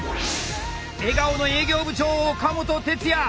笑顔の営業部長岡本哲也。